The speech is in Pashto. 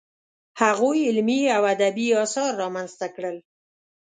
هغوی علمي او ادبي اثار رامنځته کړل.